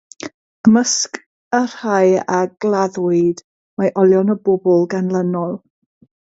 Ymysg y rhai a gladdwyd mae olion y bobl ganlynol.